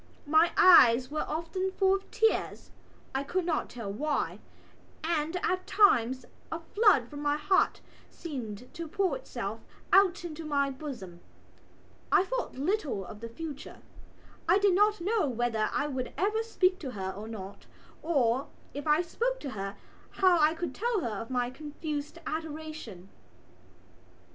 My eyes were often full of tears (I could not tell why) and at times a flood from my heart seemed to pour itself out into my bosom. I thought little of the future. I did not know whether I would ever speak to her or not or, if I spoke to her, how I could tell her of my confused adoration.